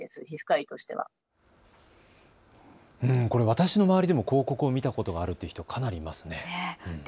私の周りでも広告を見たことあるという人がかなりいました。